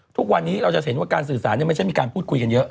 ทุกวันนี้เราจะเห็นว่าการสื่อสารไม่ใช่มีการพูดคุยกันเยอะ